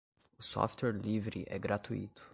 O software livre é gratuito.